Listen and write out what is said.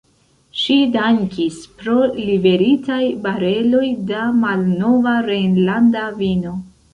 Ŝi dankis pro liveritaj bareloj da malnova rejnlanda vino.